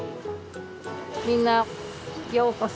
みんなようこそ。